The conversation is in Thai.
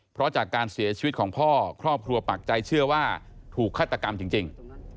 เพราะจากการเสียชีวิตของพ่อครอบครัวปักใจเชื่อว่าถูกฆาตกรรมจริง